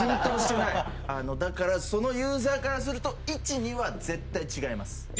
まだだからそのユーザーからすると１２は絶対違います